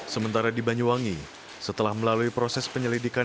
sementara di banyuwangi setelah melalui proses penyelidikan